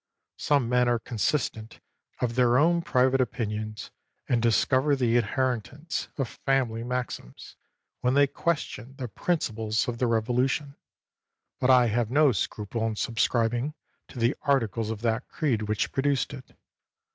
Some men are consistent of their own private opinions, and discover the inheritance of family maxims, when they question the princi ples of the Revolution ; but I have no scruple in subscribing to the articles of that creed which produced it.